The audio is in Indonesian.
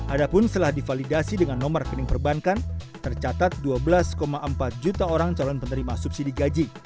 adapun setelah divalidasi dengan nomor rekening perbankan tercatat dua belas empat juta orang calon penerima subsidi gaji